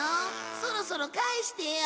そろそろ返してよ。